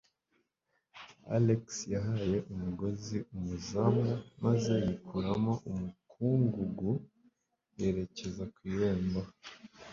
Alex yahaye umugozi umuzamu maze yikuramo umukungugu yerekeza ku irembo.